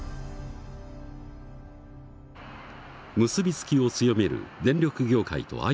結び付きを強める電力業界とＩＴ業界。